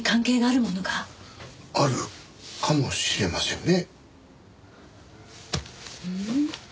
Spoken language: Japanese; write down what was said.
あるかもしれませんね。